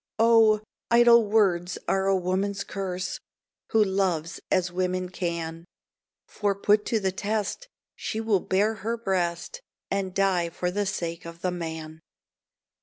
Oh! idle words are a woman's curse Who loves as woman can; For put to the test, she will bare her breast And die for the sake of the man.